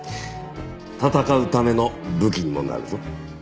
闘うための武器にもなるぞ。